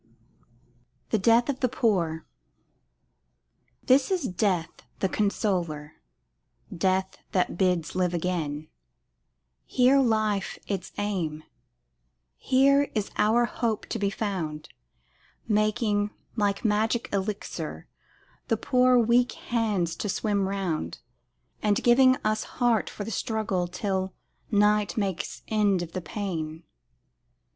THE DEATH OF THE POOR This is death the consoler death that bids live again; Here life its aim: here is our hope to be found, Making, like magic elixir, our poor weak heads to swim round, And giving us heart for the struggle till night makes end of the pain.